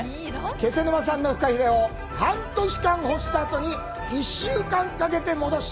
気仙沼産のフカヒレを半年間干したあとに１週間かけて戻し